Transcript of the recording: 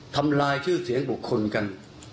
ทำลายชื่อเสียงบุคคลกัน